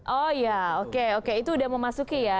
oh ya oke itu udah mau masuki ya